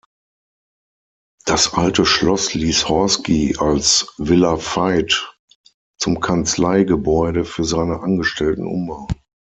Das alte Schloss ließ Horsky als "Villa Veith" zum Kanzleigebäude für seine Angestellten umbauen.